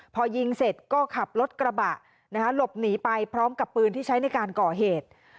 พอยิงเสร็จก็ขับรถกระบะหลบหนีไปพร้อมกับปืนที่ใช้ในการก่อเหตุ